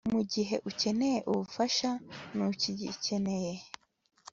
Mugihe ukeneye ubufasha Ntukigikeneye